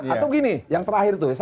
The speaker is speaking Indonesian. atau gini yang terakhir tuh